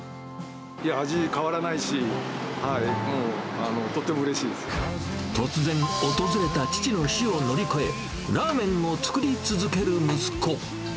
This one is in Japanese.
味、変わらないし、突然、訪れた父の死を乗り越え、ラーメンを作り続ける息子。